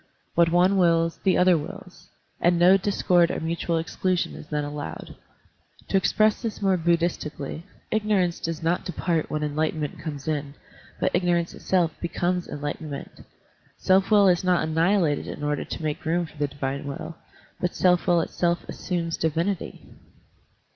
What one wills, the other wills, and no discord or mutual exclusion is then allowed. To express this more Buddhistically, ignorance does Digitized by Google IGNORANCE AND ENLIGHTENMENT 1 29 not depart when enlightenment comes in, but ignorance itseU becomes enlightenment; self will is not annihilated in order to make room for the divine will, btit self will itself assimies divinity.